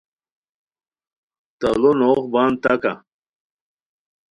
تاڑو نوغ بند تکہ